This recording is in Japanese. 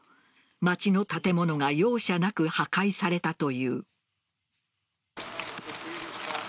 街の建物が容赦なく破壊されたという。